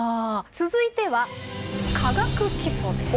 続いては「化学基礎」です。